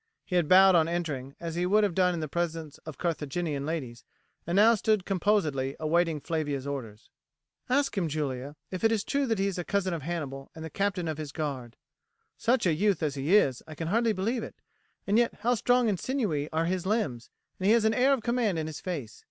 He had bowed on entering, as he would have done in the presence of Carthaginian ladies, and now stood composedly awaiting Flavia's orders. "Ask him, Julia, if it is true that he is a cousin of Hannibal and the captain of his guard. Such a youth as he is, I can hardly believe it; and yet how strong and sinewy are his limbs, and he has an air of command in his face.